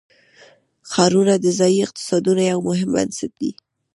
ښارونه د ځایي اقتصادونو یو مهم بنسټ دی.